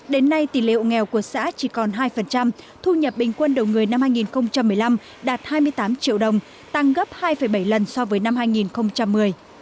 đến nay tỷ lệ hộ nghèo của xã chỉ còn hai thu nhập bình quân đầu người năm hai nghìn một mươi năm đạt hai mươi tám triệu đồng tăng gấp hai bảy lần so với năm hai nghìn một mươi